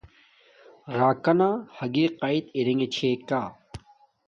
راکانا ھاگی قایت ارنݣ چھے کا